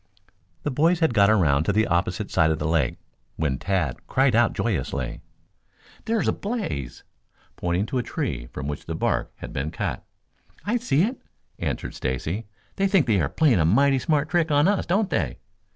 The boys had got around to the opposite side of the lake when Tad cried out joyously. "There's a blaze," pointing to a tree from which the bark had been cut. "I see it," answered Stacy. "They think they are playing a mighty smart trick on us, don't they?"